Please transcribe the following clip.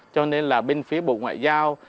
cho nên là bên phía bộ ngoại giao